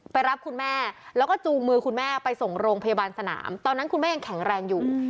รับคุณแม่แล้วก็จูงมือคุณแม่ไปส่งโรงพยาบาลสนามตอนนั้นคุณแม่ยังแข็งแรงอยู่